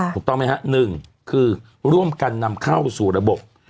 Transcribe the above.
ถูกต้องไหมฮะหนึ่งคือร่วมกันนำเข้าสู่ระบบ